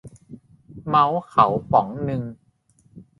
เมาส์เขาป๋องนึง